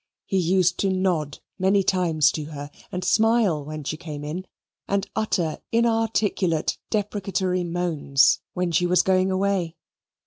He used to nod many times to her and smile when she came in, and utter inarticulate deprecatory moans when she was going away.